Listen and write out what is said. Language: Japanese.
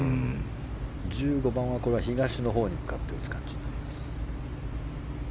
１５番は東に向かって打つ感じになります。